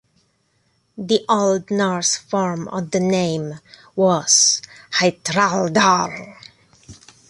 The Old Norse form of the name was "Heitrardalr".